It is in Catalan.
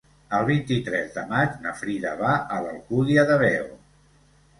El vint-i-tres de maig na Frida va a l'Alcúdia de Veo.